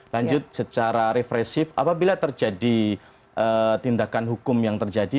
lanjut secara represif apabila terjadi tindakan hukum yang terjadi